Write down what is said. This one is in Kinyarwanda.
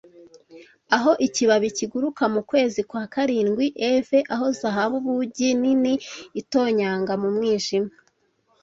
Aho ikibabi kiguruka mukwezi kwa karindwi eve, aho zahabu-bugi nini itonyanga mu mwijima,